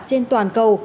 trên toàn cầu